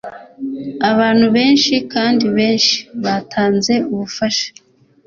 abantu benshi kandi benshi batanze ubufasha